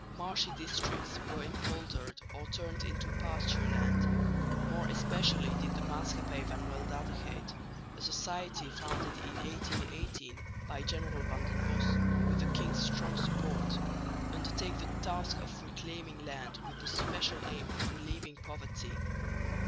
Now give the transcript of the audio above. Marshy districts were impoldered or turned into pasture land. More especially did the Maatschappij van Weldadigheid, a society founded in 1818 by General van den Bosch with the king's strong support, undertake the task of reclaiming land with the special aim of relieving poverty.